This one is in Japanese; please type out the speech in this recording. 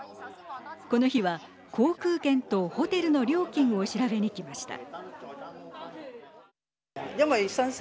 この日は航空券とホテルの料金を調べに来ました。